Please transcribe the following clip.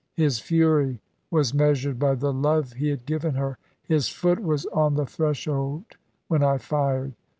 His fury was measured by the love he had given her. His foot was on the threshold when I fired.